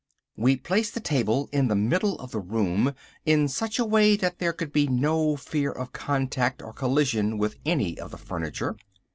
We placed the table in the middle of the room in such a way that there could be no fear of contact or collision with any of the furniture.